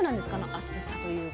暑さというか。